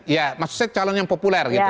ya maksud saya calon yang populer gitu